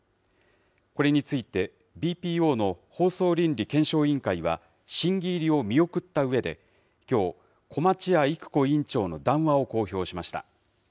これについて、ＢＰＯの放送倫理検証委員会は、審議入りを見送ったうえで、きょう、小町谷育子委員長の談話を公表しました。